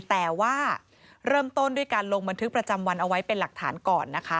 แต่ว่าเริ่มต้นด้วยการลงบันทึกประจำวันเอาไว้เป็นหลักฐานก่อนนะคะ